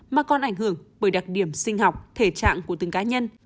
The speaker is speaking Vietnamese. mà còn ảnh hưởng bởi đặc điểm sinh học thể trạng của từng cá nhân